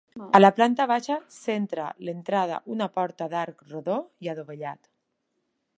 A la planta baixa centra l'entrada una porta d'arc rodó i adovellat.